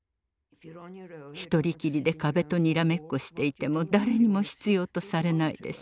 一人きりで壁とにらめっこしていても誰にも必要とされないでしょ。